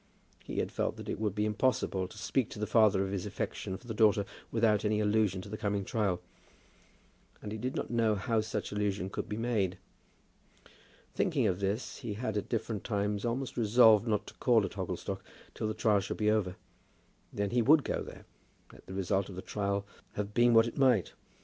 He had felt that it would be impossible to speak to the father of his affection for the daughter without any allusion to the coming trial; and he did not know how such allusion could be made. Thinking of this, he had at different times almost resolved not to call at Hogglestock till the trial should be over. Then he would go there, let the result of the trial have been what it might.